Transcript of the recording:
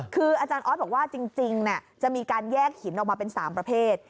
คืออาจารย์ออสบอกว่าจริงจะมีการแยกหินออกมาเป็น๓ประเภท